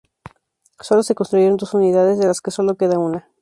Solo se construyeron dos unidades, de las que solo queda una.